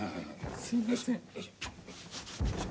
すいません。